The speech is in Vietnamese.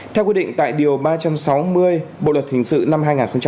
theo quy định tại điều ba trăm sáu mươi bộ luật hình sự năm hai nghìn một mươi năm